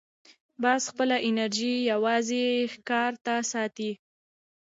باز خپله انرژي یوازې ښکار ته ساتي